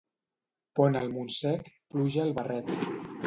Pont al Montsec, pluja al barret.